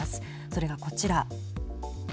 それが、こちら。